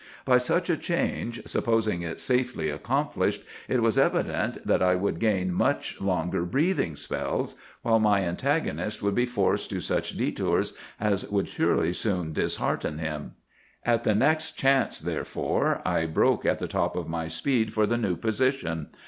By such a change, supposing it safely accomplished, it was evident that I would gain much longer breathing spells, while my antagonist would be forced to such detours as would surely soon dishearten him. "At the next chance, therefore, I broke at the top of my speed for the new position.